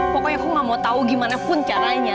pokoknya aku gak mau tahu gimana pun caranya